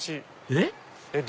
えっ？